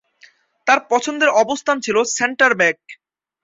তার পছন্দের অবস্থান ছিল সেন্টার ব্যাক।